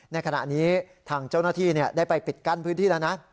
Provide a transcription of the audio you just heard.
ในขณะนี้ทางเจ้าหน้าที่ได้ไปปิดกั้นพื้นที่แล้วนะ